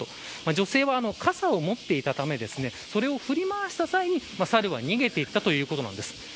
女性は傘を持っていたためそれを振り回した際にサルは逃げていったということなんです。